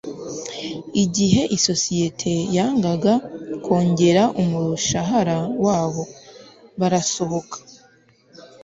igihe isosiyete yangaga kongera umushahara wabo, barasohoka